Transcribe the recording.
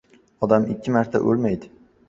• Odam ikki marta o‘lmaydi.